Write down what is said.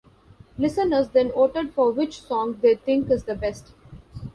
Listeners then voted for which song they think is the best.